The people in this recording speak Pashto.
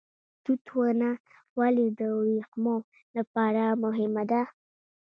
توت ونه ولې د وریښمو لپاره مهمه ده؟